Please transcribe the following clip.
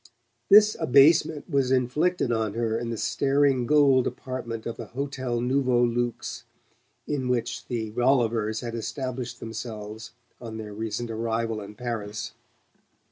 This abasement was inflicted on her in the staring gold apartment of the Hotel Nouveau Luxe in which the Rollivers had established themselves on their recent arrival in Paris.